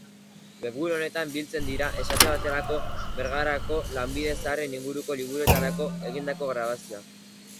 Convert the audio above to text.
Webgune honetan biltzen dira, esate baterako, Bergarako lanbide zaharren inguruko liburuetarako egindako grabazioak.